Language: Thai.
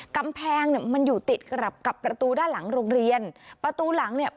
กำแพงเนี่ยมันอยู่ติดกับกับประตูด้านหลังโรงเรียนประตูหลังเนี่ย